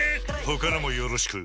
他のもよろしく